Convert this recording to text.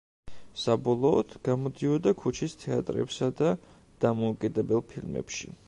საბოლოოდ, გამოდიოდა ქუჩის თეატრებსა და დამოუკიდებელ ფილმებში.